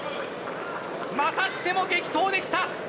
またしても激闘でした。